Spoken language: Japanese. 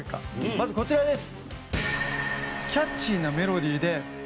まずこちらです。